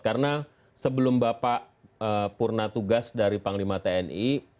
karena sebelum bapak purna tugas dari panglima tni